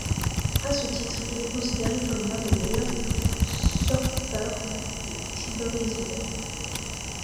À ce titre, il est considéré comme l'un des meilleurs surfeurs de tubes brésilien.